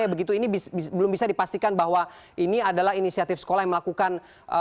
begitu ini belum bisa dipastikan bahwa ini adalah inisiatif sekolah yang melakukan